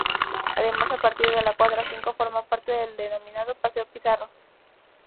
Además, a partir de la cuadra cinco forma parte del denominado "Paseo Pizarro".